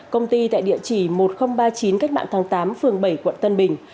công ty tại địa chỉ một nghìn ba mươi chín cách mạng tháng tám phường bảy quận tân bình